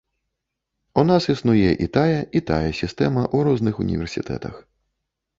У нас існуе і тая, і тая сістэма у розных універсітэтах.